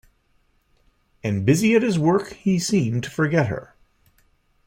And busy at his work he seemed to forget her.